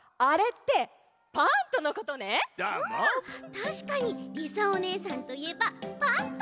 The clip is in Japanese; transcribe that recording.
たしかにりさおねえさんといえば「パント！」